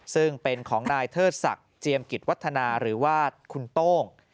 ซึ่งเป็นของนายเทิดศักดิ์เจียมกิจวัฒนาหรือว่าคุณโต้ง